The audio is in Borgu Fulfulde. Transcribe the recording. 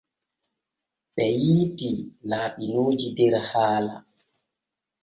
Ɓe yiitii laaɓinooji der haala.